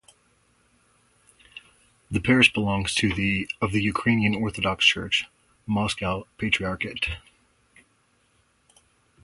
The parish belongs to the of the Ukrainian Orthodox Church (Moscow Patriarchate).